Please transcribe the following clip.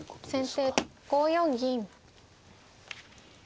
先手５四銀。